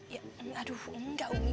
ya aduh enggak umi